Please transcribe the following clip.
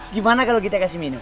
gimana kalau kita kasih minum